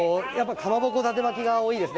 かまぼこ、だて巻きが多いですね